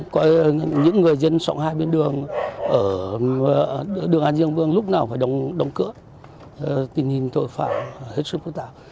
có những người dân sọng hai bên đường ở đường an diêng vương lúc nào phải đóng cửa tình hình thôi phải hết sức phức tạp